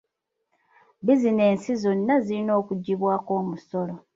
Bizinensi zonna zirina okugibwako omusolo.